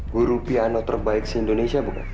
guru piano terbaik di indonesia bukan